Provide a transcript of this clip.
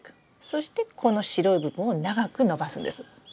そしてこの白い部分を長く伸ばすんです。